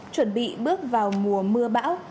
chuẩn bị bước vào mùa mưa bão